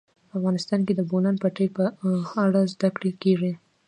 افغانستان کې د د بولان پټي په اړه زده کړه کېږي.